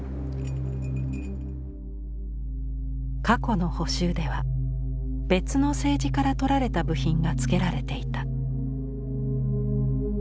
過去の補修では別の青磁から取られた部品がつけられていた。